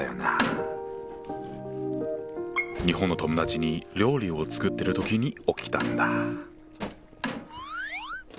日本の友達に料理を作ってる時に起きたんだ。